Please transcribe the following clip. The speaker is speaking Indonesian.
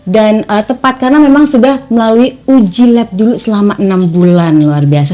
dan tepat karena memang sudah melalui uji lab dulu selama enam bulan luar biasa